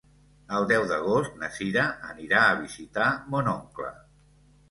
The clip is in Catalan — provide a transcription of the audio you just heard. El deu d'agost na Cira anirà a visitar mon oncle.